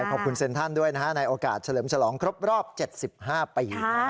ขอบคุณเซ็นทรัลด้วยนะฮะในโอกาสเฉลิมฉลองครบรอบ๗๕ปี